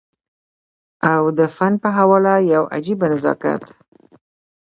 او د فن په حواله يو عجيبه نزاکت